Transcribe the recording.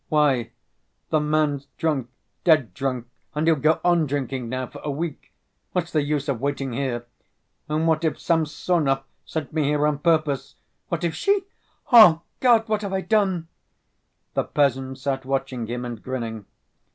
"Why, the man's drunk, dead drunk, and he'll go on drinking now for a week; what's the use of waiting here? And what if Samsonov sent me here on purpose? What if she—? Oh, God, what have I done?" The peasant sat watching him and grinning.